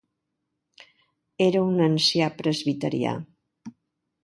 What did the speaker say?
Era un ancià presbiterià.